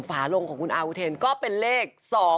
ฝารงค์ของคุณอาหุ้เทนก็เป็นเลข๒๐๐